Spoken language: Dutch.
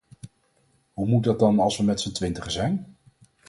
Hoe moet dat dan als we met z'n twintigen zijn?